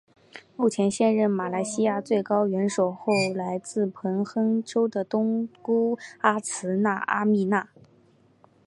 目前现任马来西亚最高元首后为来自彭亨州的东姑阿兹纱阿蜜娜。